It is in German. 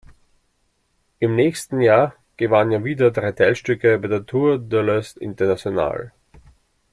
Im nächsten Jahr gewann er wieder drei Teilstücke bei der Tour de l'Est International.